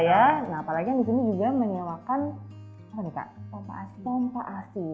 yang disini juga menyewakan pompa asin